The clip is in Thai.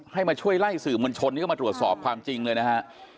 ให้มาช่วยไล่สื่อมวลชนนี่ก็มาตรวจสอบความจริงเลยนะฮะ